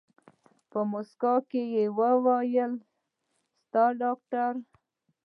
په موسکا يې وويل ستا ډاکتر.